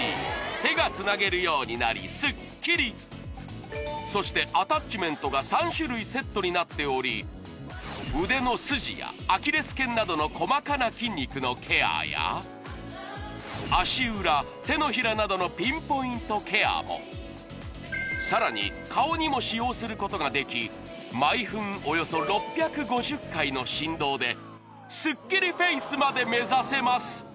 手がつなげるようになりスッキリそしてアタッチメントが３種類セットになっており腕の筋やアキレス腱などの細かな筋肉のケアや足裏手のひらなどのピンポイントケアもさらに顔にも使用することができ毎分およそ６５０回の振動でスッキリフェイスまで目指せます